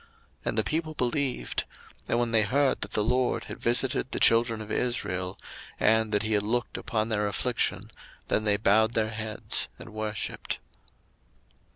02:004:031 And the people believed: and when they heard that the LORD had visited the children of Israel, and that he had looked upon their affliction, then they bowed their heads and worshipped.